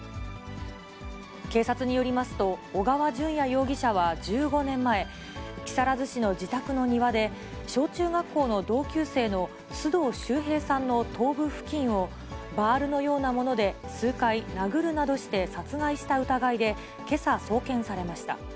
警察によりますと、小川順也容疑者は１５年前、木更津市の自宅の庭で、小中学校の同級生の須藤秀平さんの頭部付近を、バールのようなもので数回殴るなどして殺害した疑いで、けさ送検されました。